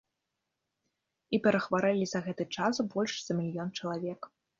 І перахварэлі за гэты час больш за мільён чалавек.